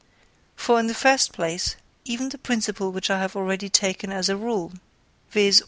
For, in the first place even the principle which I have already taken as a rule, viz.